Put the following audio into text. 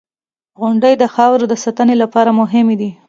• غونډۍ د خاورو د ساتنې لپاره مهمې دي.